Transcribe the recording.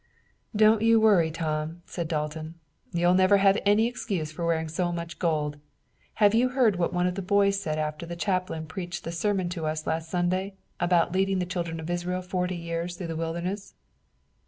"Don't you worry, Tom," said Dalton. "You'll never have any excuse for wearing so much gold. Have you heard what one of the boys said after the chaplain preached the sermon to us last Sunday about leading the children of Israel forty years through the wilderness?"